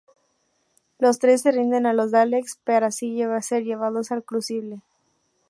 Los tres se rinden a los Daleks para así ser llevados al Crucible.